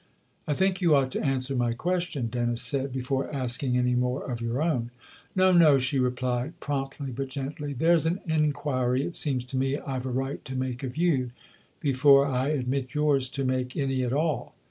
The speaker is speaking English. I think you ought to answer my question," Dennis said, " before asking any more of your own." "No, no," she replied, promptly but gently; " there's an inquiry it seems to me I've a right to make of you before I admit yours to make any at all."